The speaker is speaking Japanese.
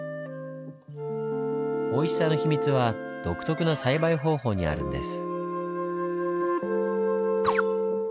おいしさの秘密は独特な栽培方法にあるんです。